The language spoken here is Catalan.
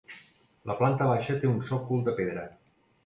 La planta baixa té un sòcol de pedra.